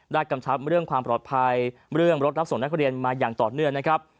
กำชับเรื่องความปลอดภัยเรื่องรถรับส่งนักเรียนมาอย่างต่อเนื่องนะครับ